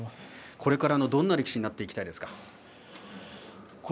これからどんな力士になっていきたいですか？